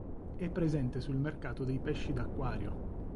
É presente sul mercato dei pesci d'acquario.